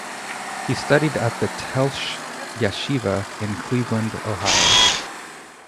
He studied at the Telshe yeshiva, in Cleveland, Ohio.